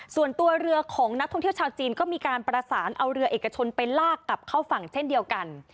ส่วนตัวเรือของนักท่องเที่ยวชาวจีนก็มีการประสานเอาเรือเอกชนไปลากกลับเข้าฝั่งเช่นเดียวกัน